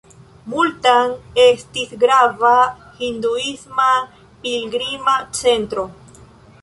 Multan estis grava hinduisma pilgrima centro.